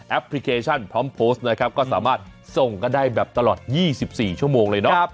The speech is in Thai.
พลิเคชันพร้อมโพสต์นะครับก็สามารถส่งกันได้แบบตลอด๒๔ชั่วโมงเลยเนาะ